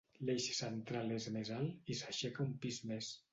L'eix central és més alt i s'aixeca un pis més.